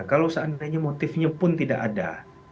kalau seandainya motifnya pun tidak ada